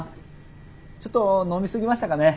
ちょっと飲みすぎましたかね？